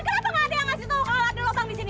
kenapa nggak ada yang ngasih tuh kalau ada lopang di sini